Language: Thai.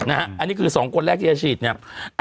อันนี้คือสองคนแรกที่อาชีพเนี่ย